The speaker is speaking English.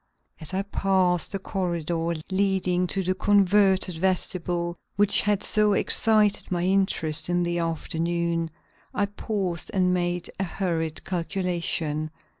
As I passed the corridor leading to the converted vestibule which had so excited my interest in the afternoon, I paused and made a hurried calculation.